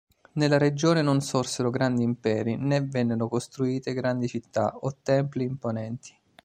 Nella regione non sorsero grandi imperi né vennero costruite grandi città o templi imponenti.